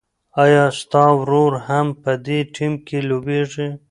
ایا ستا ورور هم په دې ټیم کې لوبېږي؟